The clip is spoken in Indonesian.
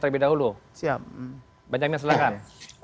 terlebih dahulu siap bang jamin silahkan